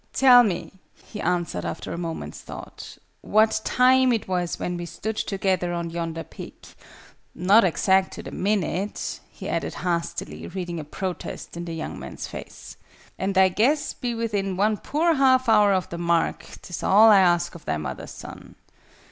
"Tell me," he answered, after a moment's thought, "what time it was when we stood together on yonder peak. Not exact to the minute!" he added hastily, reading a protest in the young man's face. "An' thy guess be within one poor half hour of the mark, 'tis all I ask of thy mother's son!